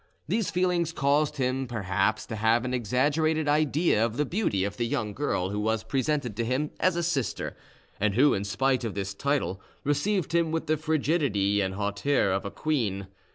These feelings caused him perhaps to have an exaggerated idea of the beauty of the young girl who was presented to him as a sister, and who, in spite of this title, received him with the frigidity and hauteur of a queen.